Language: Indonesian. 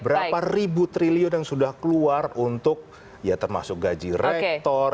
berapa ribu triliun yang sudah keluar untuk ya termasuk gaji rektor